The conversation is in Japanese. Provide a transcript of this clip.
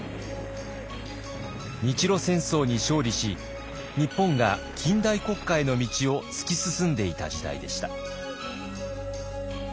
日露戦争に勝利し日本が近代国家への道を突き進んでいた時代でした。